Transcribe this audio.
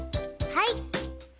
はい。